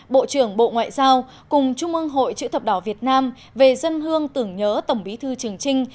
bộ trưởng bộ ngoại giao cùng trung ương hội chữ thập đỏ việt nam về dân hương tưởng nhớ tổng bí thư trường trinh